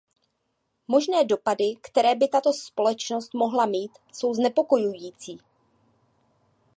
Možné dopady, které by tato skutečnost mohla mít, jsou znepokojující.